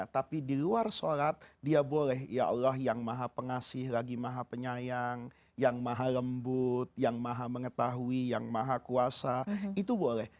tapi di luar sholat dia boleh ya allah yang maha pengasih lagi maha penyayang yang maha lembut yang maha mengetahui yang maha kuasa itu boleh